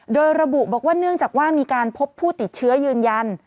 โดยระบุบอกว่าเนื่องจากว่ามีการพบผู้ติดเชื้อยืนยัน